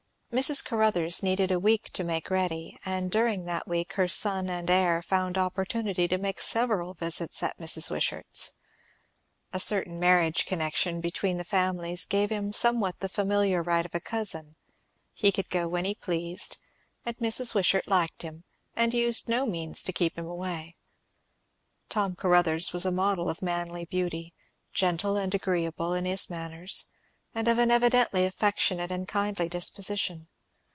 Mrs. Caruthers needed a week to make ready; and during that week her son and heir found opportunity to make several visits at Mrs. Wishart's. A certain marriage connection between the families gave him somewhat the familiar right of a cousin; he could go when he pleased; and Mrs. Wishart liked him, and used no means to keep him away. Tom Caruthers was a model of manly beauty; gentle and agreeable in his manners; and of an evidently affectionate and kindly disposition.